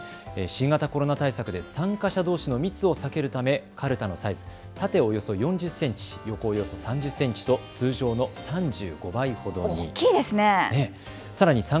新型コロナ対策で参加者どうしの密を避けるためかるたのサイズは縦およそ４０センチ、横およそ３０センチと通常の３５倍ほどに。